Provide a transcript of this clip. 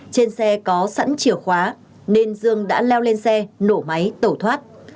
trên xe có sẵn chìa khóa nên dương đã leo lên xe nổ máy tẩu thoát